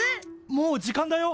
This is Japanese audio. もう時間だよ！